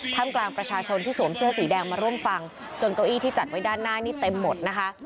กลางประชาชนที่สวมเสื้อสีแดงมาร่วมฟังจนเก้าอี้ที่จัดไว้ด้านหน้านี่เต็มหมดนะคะ